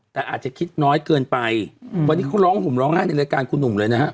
แต่อาจจะคิดน้อยเกินไปวันนี้เขาร้องห่มร้องไห้ในรายการคุณหนุ่มเลยนะฮะ